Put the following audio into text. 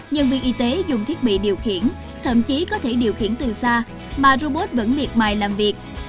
nhân viên y tế dùng thiết bị điều khiển thậm chí có thể điều khiển từ xa mà robot vẫn miệt mài làm việc